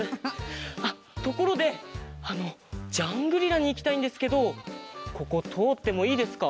あっところであのジャングリラにいきたいんですけどこことおってもいいですか？